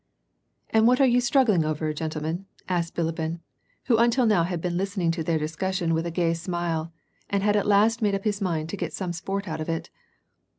" And what are you struggling over, gentlemen ?". asked Bilibin, who until now had been listening to their discussion with a gay smile, and had at last made up his mind to get some sport out of it.